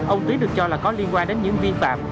ông tuyến được cho là có liên quan đến những vi phạm